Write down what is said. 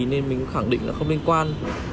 nên mình khẳng định là không liên quan